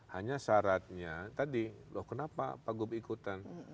hanya syaratnya tadi loh kenapa pak gup ikutan